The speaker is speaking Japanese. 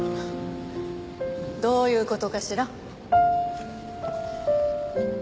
どういう事かしら？